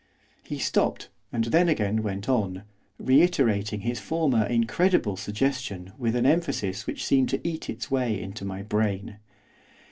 He stopped, and then again went on, reiterating his former incredible suggestion with an emphasis which seemed to eat its way into my brain.